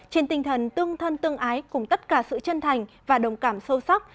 trên tinh thần tương thân tương ái cùng tất cả sự chân thành và đồng cảm sâu sắc